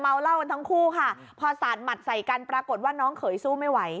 เล่ากันทั้งคู่ค่ะพอสาดหมัดใส่กันปรากฏว่าน้องเขยสู้ไม่ไหว